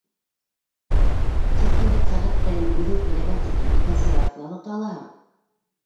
— Тик һин бит сәғәт телен үҙең теләгән тиклем икенсе яртыла тота алаһың.